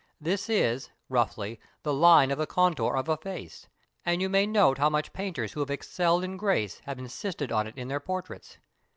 This is, roughly, the line of the contour of a face, and you may note how much painters who have excelled in grace have insisted on it in their portraits.